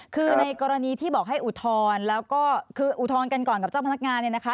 คือในกรณีที่บอกให้อุทธรณ์แล้วก็คืออุทธรณ์กันก่อนกับเจ้าพนักงานเนี่ยนะคะ